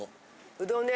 うどんね